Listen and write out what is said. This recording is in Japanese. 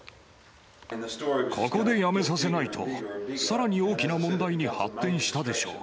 ここで辞めさせないと、さらに大きな問題に発展したでしょう。